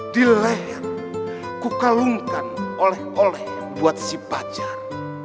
di leher ku kalungkan oleh oleh buat si pacar